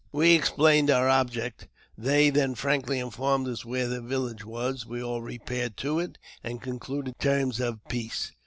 We explained our object ; they then frankly informed us where their village was; we all repaired to it, and concluded terms of peace.